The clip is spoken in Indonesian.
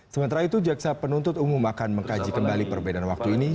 sementara itu jaksa penuntut umum akan mengkaji kembali perbedaan waktu ini